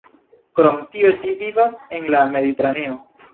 Krom tio ĝi vivas en la Mediteraneo.